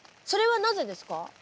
それはなぜですか？